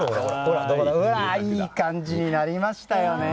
いい感じになりましたよね。